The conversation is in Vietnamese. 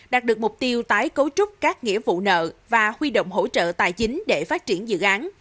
đạt được mục tiêu tái cấu trúc các nghĩa vụ nợ và huy động hỗ trợ tài chính để phát triển dự án